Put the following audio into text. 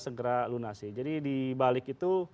segera lunasi jadi di balik itu